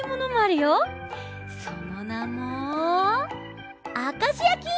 そのなもあかしやき！